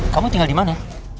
kamu tinggal dimana